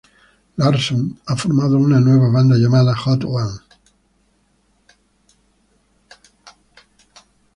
Larson ha formado una nueva banda llamada Hot One.